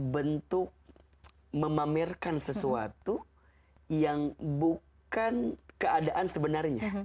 bentuk memamerkan sesuatu yang bukan keadaan sebenarnya